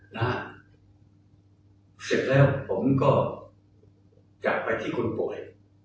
นะฮะเสร็จแล้วผมก็จะไปที่คุณป่วย